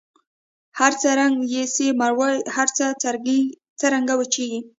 هرڅه څرنګه سي مړاوي هر څه څرنګه وچیږي